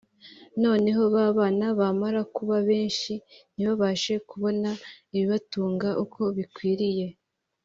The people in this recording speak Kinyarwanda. noneho babana bamara kuba benshi ntibabashe kubona ibibatunga uko bikwiriye